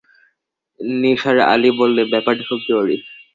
নিসার আলি বললেন, ব্যাপারটা খুব জরুরি।